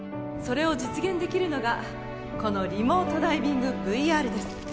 それを実現できるのがこのリモートダイビングＶＲです